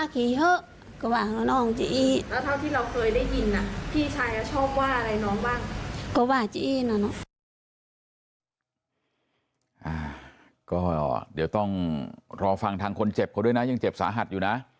ก็เดี๋ยวต้องรอฟังทางคนเจ็บเขาด้วยนะยังเจ็บสาหัสอยู่นะ